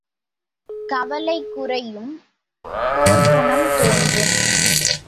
கவலை குறையும் போர்க்குணம் தோன்றும்!